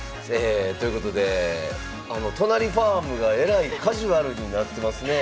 ということで都成ファームがえらいカジュアルになってますねえ。